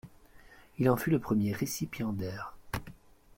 Il en fut le premier récipiendaire.